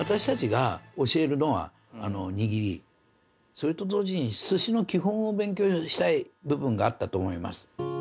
それと同時に寿司の基本を勉強したい部分があったと思います